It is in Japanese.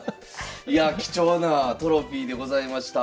いやあ貴重なトロフィーでございました。